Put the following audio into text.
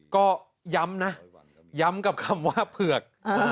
ก็ย้ำนะย้ำกับคำว่าเผือก